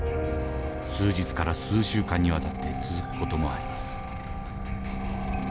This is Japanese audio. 数日から数週間にわたって続く事もあります。